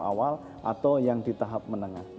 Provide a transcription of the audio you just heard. awal atau yang di tahap menengah